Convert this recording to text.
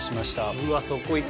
うわっそこいく？